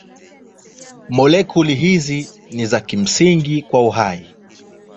Molekuli hizi ni za kimsingi kwa uhai.